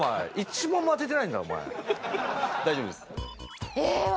大丈夫です。